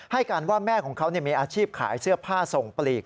ให้การว่าแม่ของเขามีอาชีพขายเสื้อผ้าส่งปลีก